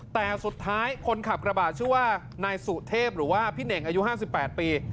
แต่สุดท้ายคนขับกระบาดชื่อว่านายสุเทพหรือว่าพี่เน่งอายุ๕๘ปี